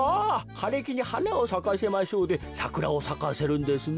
「かれきにはなをさかせましょう」でサクラをさかせるんですね。